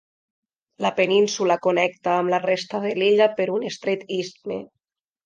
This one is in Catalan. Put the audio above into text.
La península connecta amb la resta de l'illa per un estret istme.